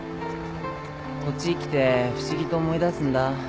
こっちへ来て不思議と思い出すんだ。